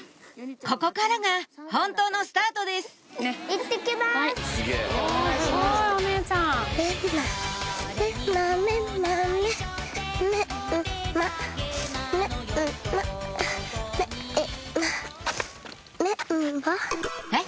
ここからが本当のスタートですえっ？